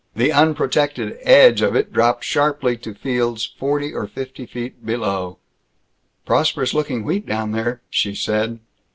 The unprotected edge of it dropped sharply to fields forty or fifty feet below. "Prosperous looking wheat down there," she said.